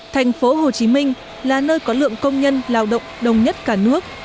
thành phố hồ chí minh là nơi có lượng công nhân lao động đồng nhất cả nước